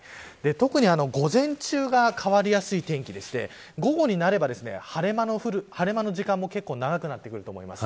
特に午前中が変わりやすい天気でして午後になれば、晴れ間の時間も結構長くなってくると思います。